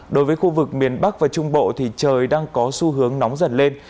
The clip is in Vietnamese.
đối với khu vực miền bắc và trung bộ thì trời đang có xu hướng nóng dần lên